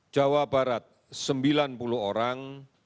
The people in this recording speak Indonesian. jawa barat sembilan puluh orang